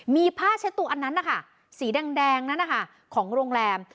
มีผ้าเช็ดตัวอันนั้นนะคะสีแดงนั้นนะคะของโรงแรม